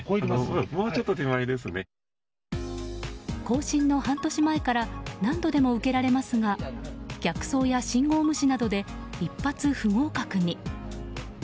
更新の半年前から何度でも受けられますが逆走や信号無視などで一発不合格に。